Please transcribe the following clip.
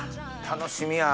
楽しみや。